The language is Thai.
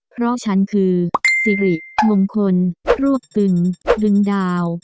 เพราะฉันคือสิริมงคลรวบตึงดึงดาว